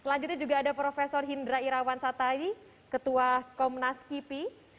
selanjutnya juga ada prof hindra irawan satayi ketua komnas kipi